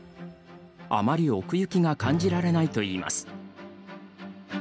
あまり奥行きが感じられないといいます。